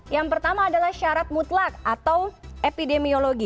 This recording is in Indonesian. yang pertama adalah syarat mutlak atau epidemiologi